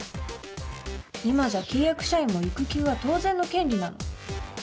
今じゃ契約社員も育休は当然の権利なの。